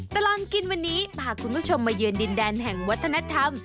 ตลอดกินวันนี้พาคุณผู้ชมมาเยือนดินแดนแห่งวัฒนธรรม